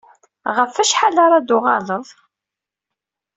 Ɣef wacḥal ara d-tuɣaleḍ?